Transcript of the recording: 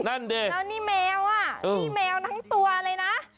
นั่นดิแล้วนี่แมวอ่ะนี่แมวทั้งตัวเลยนะ